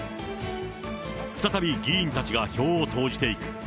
再び議員たちが票を投じていく。